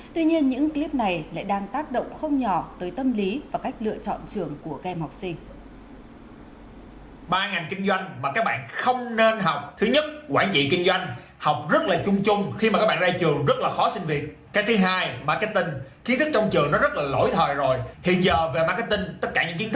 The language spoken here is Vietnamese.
tuy nhiên những clip này lại đang tác động không nhỏ tới tâm lý và cách lựa chọn trường của các em học sinh